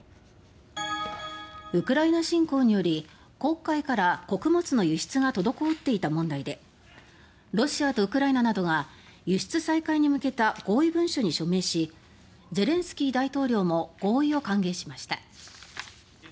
ウクライナ侵攻により国会から穀物の輸出が滞っていた問題でロシアとウクライナなどが輸出再開に向けた合意文書に署名しゼレンスキー大統領も合意を歓迎しました。